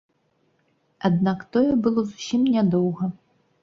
Аднак, тое было зусім нядоўга.